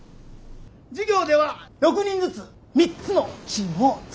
授業では６人ずつ３つのチームを作ります。